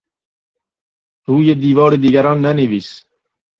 روی دیوار دیگران ننویس.